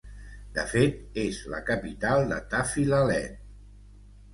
De fet, és la capital de Tafilalet.